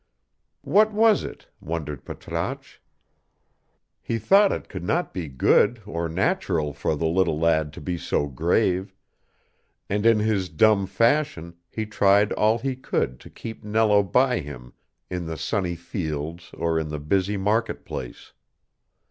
What was it? wondered Patrasche. He thought it could not be good or natural for the little lad to be so grave, and in his dumb fashion he tried all he could to keep Nello by him in the sunny fields or in the busy market place.